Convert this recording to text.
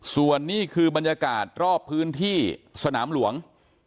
ส่วนนี้คือบรรยากาศรอบพื้นที่สนามหลวง